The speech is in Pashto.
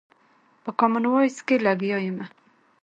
په کامن وايس کښې لګيا ىمه